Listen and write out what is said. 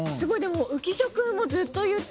浮所君もずっと言ってた。